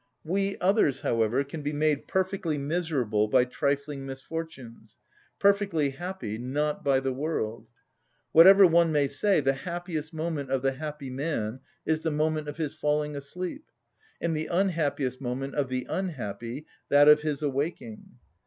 We others, however, can be made perfectly miserable by trifling misfortunes; perfectly happy, not by the world. Whatever one may say, the happiest moment of the happy man is the moment of his falling asleep, and the unhappiest moment of the unhappy that of his awaking.